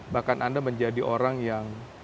bahkan anda menjadi orang yang